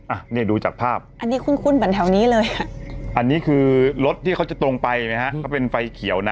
อ่ะเนี่ยดูจากภาพอันนี้คุ้นเหมือนแถวนี้เลยอ่ะอันนี้คือรถที่เขาจะตรงไปไหมฮะเขาเป็นไฟเขียวนะ